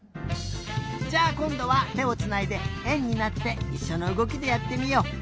じゃあこんどはてをつないでえんになっていっしょのうごきでやってみよう。